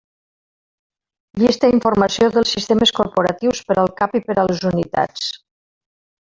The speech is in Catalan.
Llista informació dels sistemes corporatius per al cap i per a les unitats.